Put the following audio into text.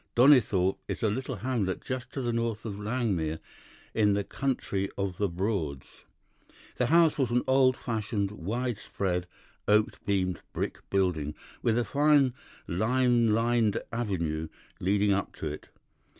Donnithorpe is a little hamlet just to the north of Langmere, in the country of the Broads. The house was an old fashioned, wide spread, oak beamed brick building, with a fine lime lined avenue leading up to it.